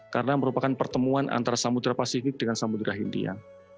karena merupakan pertemuan antara samudera pasifik dengan samudera hindia